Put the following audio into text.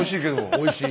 おいしい。